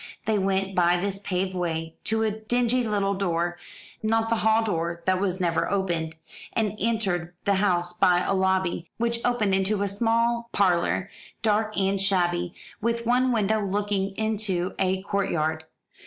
They went by this paved way to a dingy little door not the hall door, that was never opened and entered the house by a lobby, which opened into a small parlour, dark and shabby, with one window looking into a court yard.